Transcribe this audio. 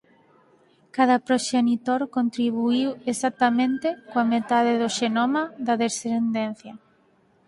Cada proxenitor contribuíu exactamente coa metade do xenoma da descendencia.